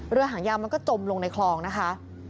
เรือหางยาวมันก็จมลงในคลองนะคะ